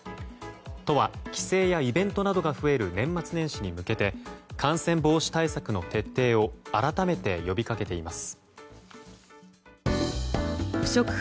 都は帰省やイベントなどが増える年末年始に向けて感染防止対策の徹底を改めて呼びかけています。